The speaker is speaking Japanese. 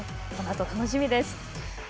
このあと楽しみです。